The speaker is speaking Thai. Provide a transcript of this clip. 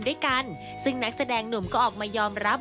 โดยหลังจากนั้นออมก็ออกมายอมรับ